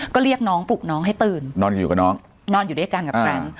ก็เรียกน้องปลุกน้องให้ตื่นนอนอยู่กับน้องนอนอยู่ด้วยกันกับแฟน